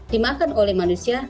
dimakan oleh manusia